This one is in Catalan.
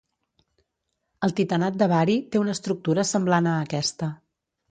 El titanat de bari té una estructura semblant a aquesta.